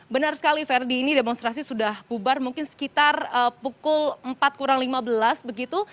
benar sekali ferdi ini demonstrasi sudah bubar mungkin sekitar pukul empat kurang lima belas begitu